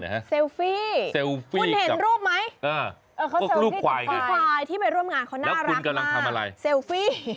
คุณเห็นรูปไหมลูกควายที่ไปร่วมงานเขาน่ารักมาก